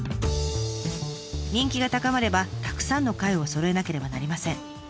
人気が高まればたくさんの貝をそろえなければなりません。